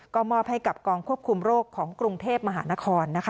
ก็มอบให้กับกองควบคุมโรคของกรุงเทพมหานคร